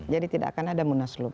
jadi tidak akan ada munaslub